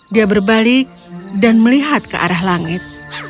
dia berbalik dan melihat ke arah langit